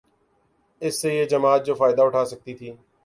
اس سے یہ جماعت جو فائدہ اٹھا سکتی تھی